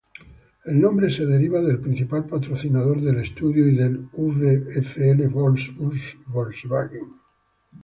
El nombre se deriva del principal patrocinador del estadio y del VfL Wolfsburg, Volkswagen.